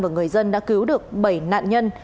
và người dân đã cứu được bảy nạn nhân